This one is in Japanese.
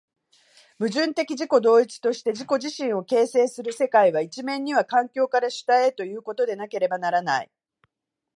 矛盾的自己同一として自己自身を形成する世界は、一面には環境から主体へということでなければならない。